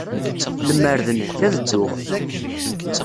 Lemmer d nekk, ad dduɣ.